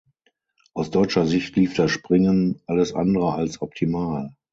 Aus deutscher Sicht lief das Springen alles andere als optimal.